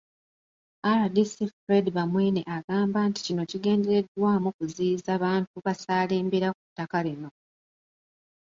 RDC Fred Bamwine agamba nti kino kigendereddwamu kuziyiza bantu basaalimbira ku ttaka lino.